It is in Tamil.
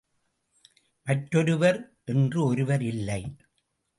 மற்றொருவர் என்று ஒருவர் இல்லை.